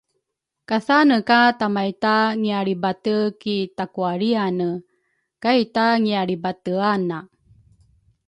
kathane ka tamaita ngialribate ku takualriane, kaita ngialribateane.